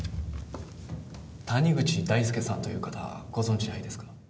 谷口大祐さんという方ご存じないですか？